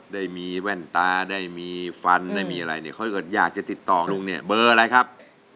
ได้มีแว่นตาได้มีฟันได้มีอะไรเนี่ยเขาก็อยากจะติดต่อลุงเนี่ยเบอร์อะไรครับ